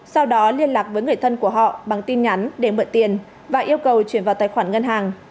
sau đó liên lạc với người thân của họ bằng tin nhắn để mượn tiền và yêu cầu chuyển vào tài khoản ngân hàng